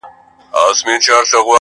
داسي په ماښام سترگي راواړوه,